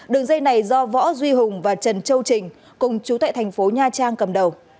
đường dây này do võ duy hùng và trần châu trình cùng chú tại thành phố nha trang cầm đầu